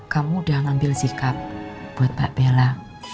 kamu udah ngambil sikap buat mbak bella